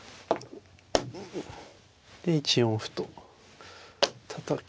で１四歩とたたきまして